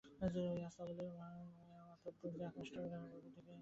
ওই আস্তাবলের মাথাব্য যে আকাশটা, ওরই ওপারে পূর্বদিকে বহুদূরে তাঁহাদের নিশ্চিন্দিপুর।